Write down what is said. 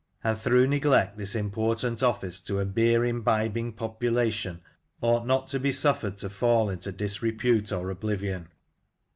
and through neglect this important office to a beer imbibing population ought not to be suffered to fall into disrepute or oblivion.